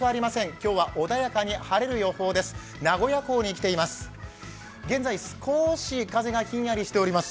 今日は穏やかに晴れる予報です。